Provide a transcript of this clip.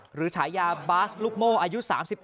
หรือฉายาบาสลุกโม่อายุ๓๑